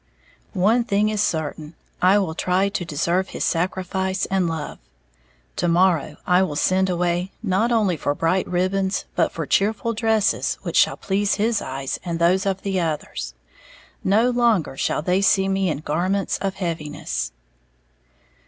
One thing is certain, I will try to deserve his sacrifice and love, to morrow I will send away not only for bright ribbons, but for cheerful dresses which shall please his eyes and those of the others. No longer shall they see me in garments of heaviness.